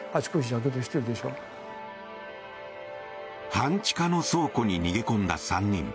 半地下の倉庫に逃げ込んだ３人。